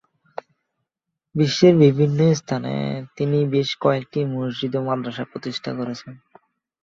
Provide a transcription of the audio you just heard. বিশ্বের বিভিন্ন স্থানে তিনি বেশ কয়েকটি মসজিদ ও মাদ্রাসা প্রতিষ্ঠা করেছেন।